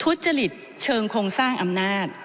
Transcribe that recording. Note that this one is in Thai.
ทุจริตเชิงโครงสร้างอำนาจ